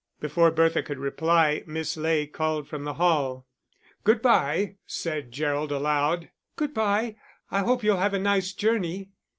Before Bertha could reply, Miss Ley called from the hall. "Good bye," said Gerald, aloud. "Good bye, I hope you'll have a nice journey."